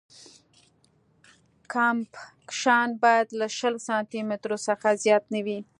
کمپکشن باید له شل سانتي مترو څخه زیات نه وي